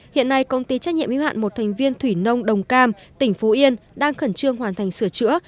hiện nay công ty trách nhiệm yếu hạn một thành viên thủy nông đồng cam tỉnh phú yên đang khẩn trương hoàn thành sửa chữa